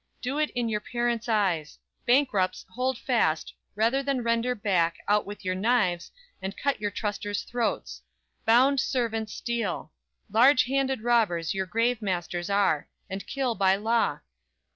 Do it in your parents' eyes! Bankrupts, hold fast; Rather than render back, out with your knives, And cut your trusters' throats! bound servants steal! Large handed robbers your grave masters are; And kill by law!